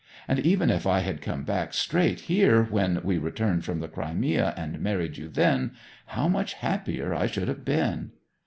And even if I had come back straight here when we returned from the Crimea, and married you then, how much happier I should have been!'